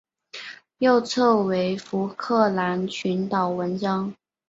右侧为福克兰群岛纹章。